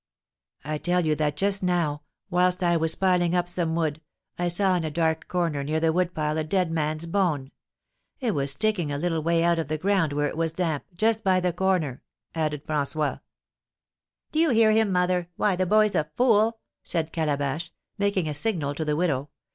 "I tell you that just now, whilst I was piling up some wood, I saw in a dark corner near the wood pile a dead man's bone; it was sticking a little way out of the ground where it was damp, just by the corner," added François. "Do you hear him, mother? Why, the boy's a fool!" said Calabash, making a signal to the widow.